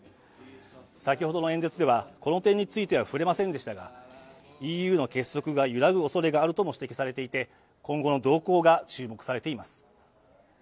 先ほどの演説ではこの点については触れませんでしたがＥＵの結束が揺らぐ恐れがあるとも指摘されていて今後の動向が注目されています